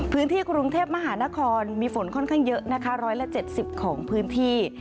พื้นที่กรุงเทพมหานครมีฝนค่อนข้างเยอะนะคะ๑๗๐ของพื้นที่